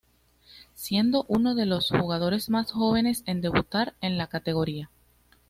Siendo uno de los jugadores más jóvenes en debutar en la categoría.